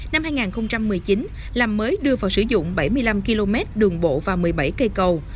năm hai nghìn một mươi chín làm mới đưa vào sử dụng bảy mươi năm km đường bộ và một mươi bảy cây cầu